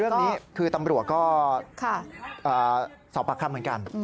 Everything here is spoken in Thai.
เรื่องนี้คือตำรวจก็สอบปากคำเหมือนกัน